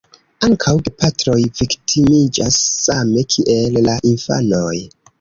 Ankaŭ gepatroj viktimiĝas same kiel la infanoj.